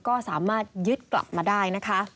ก็ยึดกลับมาได้